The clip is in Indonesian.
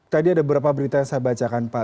tadi ada beberapa berita yang saya bacakan pak